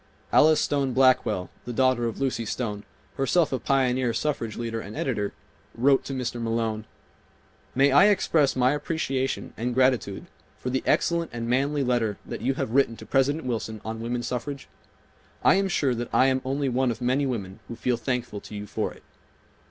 Alice Stone Blackwell, the daughter of Lucy Stone, herself a pioneer suffrage leader and editor, wrote to Mr. Malone: "May I express my appreciation and gratitude for the excellent and manly letter that you have written to President Wilson on woman suffrage? I am sure that I am only one of many women who feel thankful to you for it.